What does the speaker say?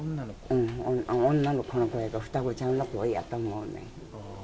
女の子の声か、双子ちゃんの声やったと思うねん。